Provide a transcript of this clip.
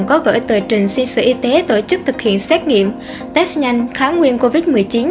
có vở tờ trình xin sở y tế tổ chức thực hiện xét nghiệm test nhanh kháng nguyên covid một mươi chín